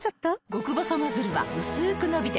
極細ノズルはうすく伸びて